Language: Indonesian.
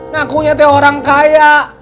nah kunya t orang kaya